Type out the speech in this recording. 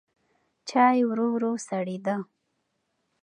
چای ورو ورو سړېده.